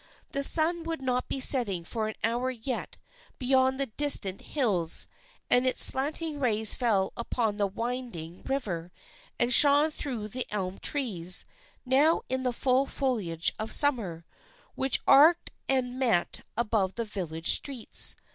The sun would not be setting for an hour yet beyond the distant hills, and its slanting rays fell upon the winding river, and shone through the elm trees, now in the full foliage of summer, which arched and met above the village streets.